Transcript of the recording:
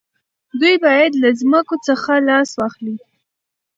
دوی باید له ځمکو څخه لاس واخلي.